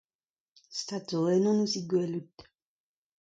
Stad zo ennon ouzh he gwelout !